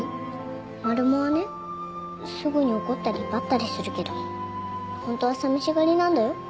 マルモはねすぐに怒ったり威張ったりするけどホントはさみしがりなんだよ。